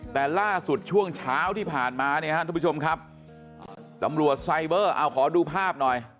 แต่ล่าสุดช่วงเช้าที่ผ่านมาเนี่ยฮะทุกผู้ชมครับตำรวจไซเบอร์เอาขอดูภาพหน่อย